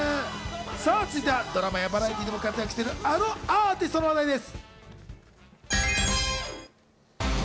続いてはドラマやバラエティーでも活躍しているあのアーティストの話題です。